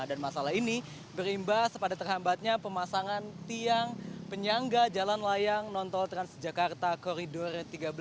dan masalah ini berimba sepada terhambatnya pemasangan tiang penyangga jalan layang nontol transjakarta koridor tiga belas